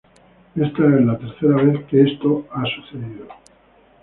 Esta es la tercera vez que esto ha ocurrido.